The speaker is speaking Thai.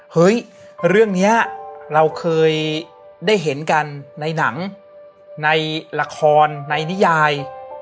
เฮ้ยเรื่องนี้เราเคยได้เห็นกันในหนังในละครในนิยาย